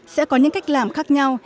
sẽ có những cách làm khác nhau